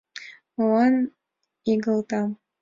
— Молан игылтам?